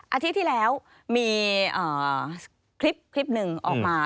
อาทิตย์ที่แล้วมีคลิปหนึ่งออกมา